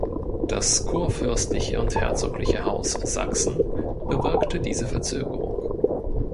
Das kurfürstliche und herzogliche Haus Sachsen bewirkte diese Verzögerung.